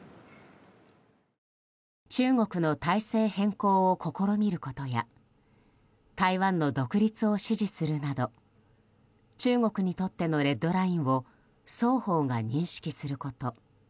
中国の体制変更を試みることや台湾の独立を支持するなど中国にとってのレッドラインを双方が認識すること。